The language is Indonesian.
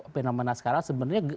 fenomena sekarang sebenarnya